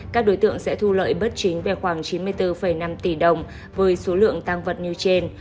các đối tượng sẽ thu lợi bất chính về khoảng chín mươi bốn năm tỷ đồng với số lượng tăng vật như trên